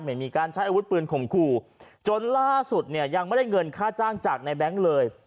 มีการใช้อาวุธปืนข่มขู่จนล่าสุดเนี่ยยังไม่ได้เงินค่าจ้างจากในแบงค์เลย